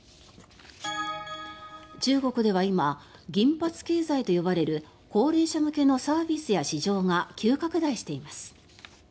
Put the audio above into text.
中国では今銀髪経済と呼ばれる高齢者向けのサービスや市場が急拡大しています。